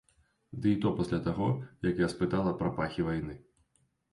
Дый то пасля таго, як я спытала пра пахі вайны.